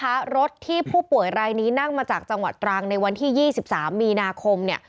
รถที่ผู้ป่วยรายนี้นั่งมาจากจังหวัดตรังในวันที่๒๓มีนาคมเนี่ย